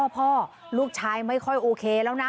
พ่อลูกชายไม่ค่อยโอเคแล้วนะ